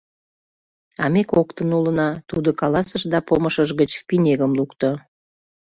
— А ме коктын улына, — тудо каласыш да помышыж гыч пинегым лукто.